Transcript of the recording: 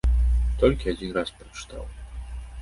Толькі адзін раз прачытаў.